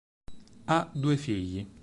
Ha due figli.